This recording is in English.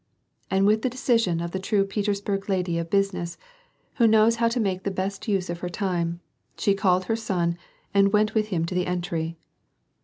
And with the decision of the true Petersburg lady of busi ness, who knows how to make the best use of her time, she called her son and went with him into the entry.